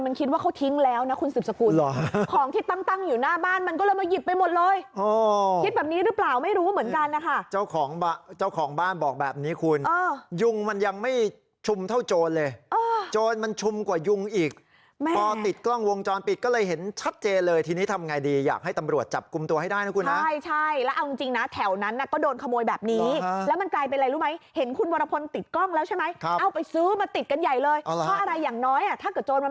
มันคิดว่าเขาทิ้งแล้วนะคุณสิบสกุลของที่ตั้งอยู่หน้าบ้านมันก็เลยมาหยิบไปหมดเลยคิดแบบนี้หรือเปล่าไม่รู้เหมือนกันนะคะเจ้าของบ้านบอกแบบนี้คุณยุงมันยังไม่ชุมเท่าโจรเลยโจรมันชุมกว่ายุงอีกพอติดกล้องวงจรปิดก็เลยเห็นชัดเจเลยทีนี้ทำไงดีอยากให้ตำรวจจับกุมตัวให้ได้นะคุณนะใช่แล้วเอาจร